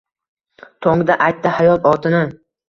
Tongda aytdi hayot otini